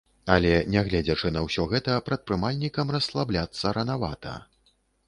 Але, нягледзячы на ўсё гэта, прадпрымальнікам расслабляцца ранавата.